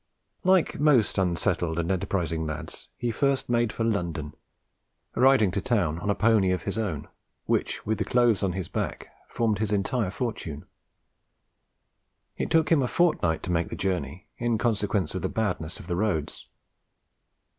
Like most unsettled and enterprising lads, he first made for London, riding to town on a pony of his own, which, with the clothes on his back, formed his entire fortune. It took him a fortnight to make the journey, in consequence of the badness of the roads.